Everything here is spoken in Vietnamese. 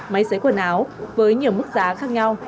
máy xấy quần áo với nhiều mức giá khác nhau